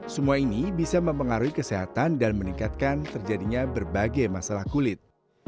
semua ini bisa mempengaruhi kesehatan dan meningkatkan terjadinya berbagai masalah kulit